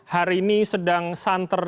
hari ini sedang santer